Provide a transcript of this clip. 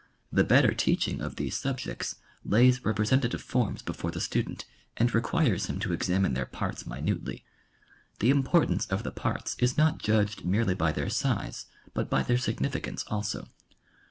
The better teaching of these subjects lays representative forms before the student and requires him to examine their parts minutely. The importance of the parts is not judged merely by their size, but by their signiiicance also.